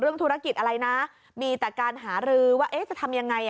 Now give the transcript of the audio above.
เรื่องธุรกิจอะไรนะมีแต่การหารือว่าจะทำยังไง